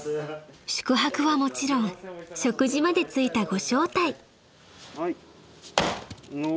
［宿泊はもちろん食事まで付いたご招待］